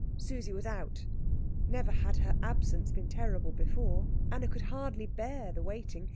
Susie was out. Never had her absence been terrible before. Anna could hardly bear the waiting.